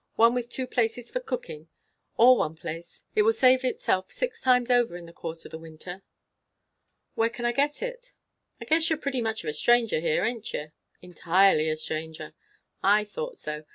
one with two places for cooking; or one place. It will save itself six times over in the course of the winter." "Where can I get it?" "I guess you're pretty much of a stranger here, aint you?" "Entirely a stranger." "I thought so.